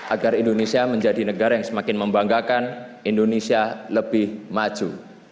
agar indonesia menjadi negara yang semakin membanggakan indonesia lebih maju